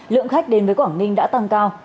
lượng khách đến với quảng ninh đã tăng cao